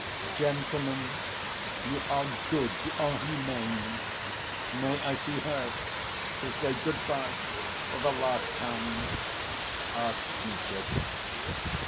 "Gentlemen, you are good, you are humane, may I see her to say 'good‐by' for the last time?" asked Mitya.